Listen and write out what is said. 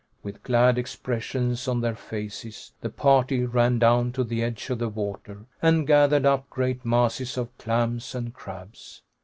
With glad expressions on their faces, the party ran down to the edge of the water and gathered up great masses of clams and crabs.